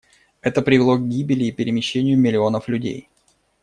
Это привело к гибели и перемещению миллионов людей.